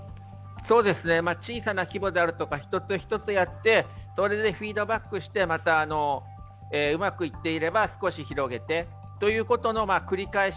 小さな規模であるとか、１つ１つやって、それでフィードバックしてうまくいっていれば少し広げてということの繰り返し。